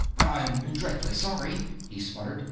"I'm dreadfully sorry," he sputtered.